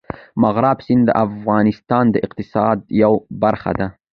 مورغاب سیند د افغانستان د اقتصاد یوه برخه ده.